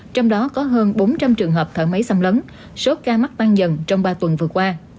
trong đó có hơn bốn trăm linh trường hợp thở máy xâm lấn số ca mắc tăng dần trong ba tuần vừa qua